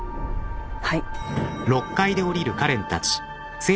はい。